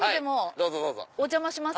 どうぞどうぞ。